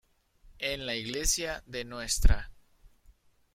En la iglesia de Ntra.